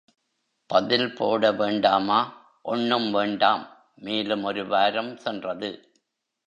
பதில் போட வேண்டாமா? ஒண்ணும் வேண்டாம். மேலும் ஒரு வாரம் சென்றது.